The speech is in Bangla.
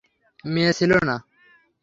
মেয়ে ছিল না।